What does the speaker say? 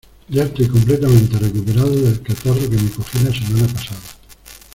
Ya estoy completamente recuperado del catarro que me cogí la semana pasada.